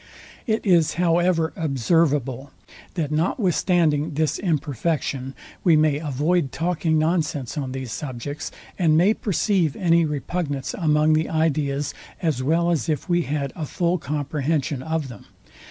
It is however observable, that notwithstanding this imperfection we may avoid talking nonsense on these subjects, and may perceive any repugnance among the ideas, as well as if we had a fall comprehension of them.